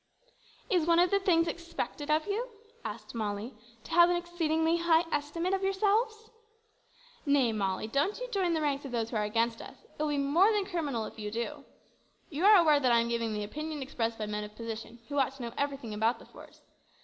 "Is one of the things expected of you," asked Molly, "to have an exceedingly high estimate of yourselves?" "Nay, Molly, don't you join the ranks of those who are against us. It will be more than criminal if you do. You are aware that I am giving the opinion expressed by men of position who ought to know everything about the force.